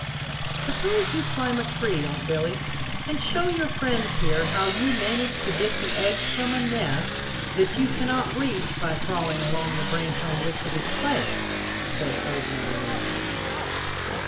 "Suppose you climb a tree, Unc' Billy, and show your friends here how you manage to get the eggs from a nest that you cannot reach by crawling along the branch on which it is placed," said Old Mother Nature.